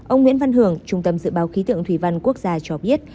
ông nguyễn văn hưởng trung tâm dự báo khí tượng thủy văn quốc gia cho biết